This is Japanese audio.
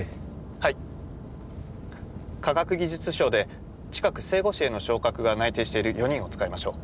はい科学技術省で近く正悟師への昇格が内定している４人を使いましょう。